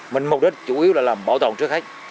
mình mục đích chủ yếu là làm bảo tồn trước hết